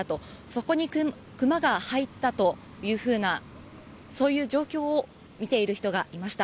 そこにクマが入ったとそういう状況を見ている人がいました。